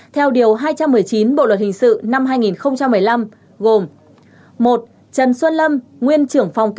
theo điều hai trăm một mươi chín bộ luật hình sự năm hai nghìn một mươi năm gồm